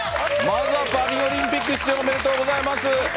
パリオリンピック出場おめでとうございます。